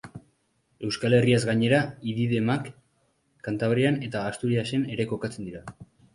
Euskal Herriaz gainera, idi-demak Kantabrian eta Asturiasen ere jokatzen dira.